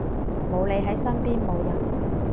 冇你喺身邊冇癮